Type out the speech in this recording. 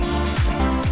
dengan luar negara